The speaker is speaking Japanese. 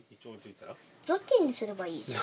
雑巾にすればいいじゃん。